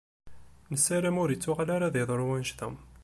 Nessaram ur ittuɣal ara ad d-yeḍṛu wannect-a.